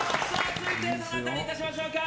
続いてどなたにいたしましょうか。